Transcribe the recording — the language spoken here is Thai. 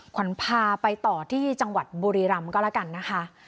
ขวัญพาไปต่อที่จังหวัดบุรีรำก็แล้วกันนะคะ